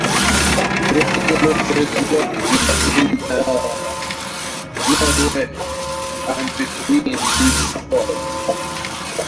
Grootegeluk is located in the narrow band between these faults.